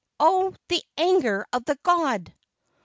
"Oh, the anger of the god!